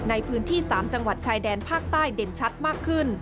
ในพื้นที่๓จังหวัดชายแดนภาคใต้เด่นชัดมากขึ้น